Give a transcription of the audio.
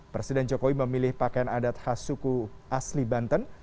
presiden jokowi memilih pakaian adat khas suku asli banten